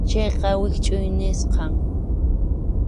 Chayqa wischʼuy nisqam.